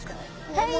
はい！